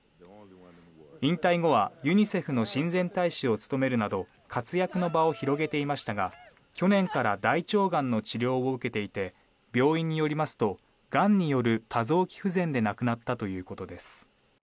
引退後はユニセフの親善大使を務めるなど活躍の場を広げていましたが去年から大腸がんの治療を受けていて病院によりますとがんによる多臓器不全で亡くなったということです。